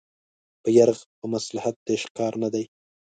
په يرغ په مصلحت د عشق کار نه دی